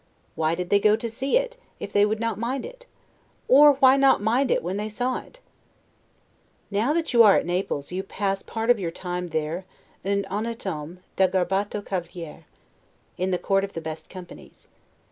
Why did they go to see it, if they would not mind it? or why not mind it when they saw it? Now that you are at Naples, you pass part of your time there 'en honnete homme, da garbato cavaliere', in the court and the best companies.